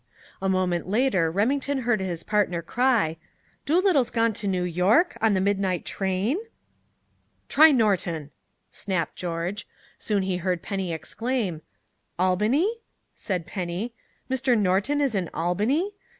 A moment later Remington heard his partner cry, "Doolittle's gone to New York? On the midnight train?" "Try Norton," snapped George. Soon he heard Penny exclaim. "Albany?" said Penny. "Mr. Norton is in Albany?